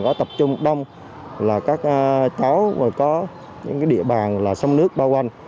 chung đông là các cháu có địa bàn sông nước bao quanh